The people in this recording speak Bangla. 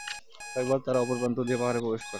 কয়েকবার তারা অপর প্রান্ত দিয়ে পাহাড়ে প্রবেশ করে।